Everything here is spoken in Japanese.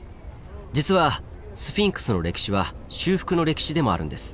実はスフィンクスの歴史は修復の歴史でもあるんです。